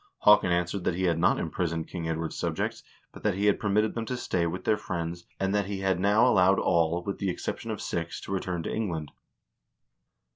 Haakon answered that he had not imprisoned King Edward's subjects, but that he had permitted them to stay with their friends, and that he had now allowed all, with the excep tion of six, to return to England.